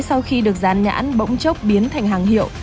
sau khi được rán nhãn bỗng chốc biến thành hàng hiệu